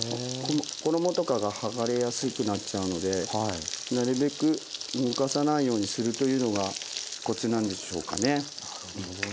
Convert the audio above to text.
衣とかがはがれやすくなっちゃうのでなるべく動かさないようにするというのがコツなんでしょうかね。